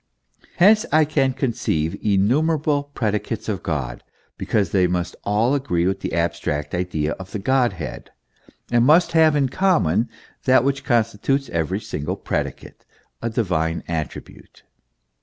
Hence I can conceive innu merable predicates of God, because they must all agree with the abstract idea of the Godhead, and must have in common that which constitutes every single predicate a divine attribute.